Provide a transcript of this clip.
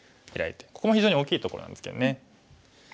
ここも非常に大きいところなんですけどね。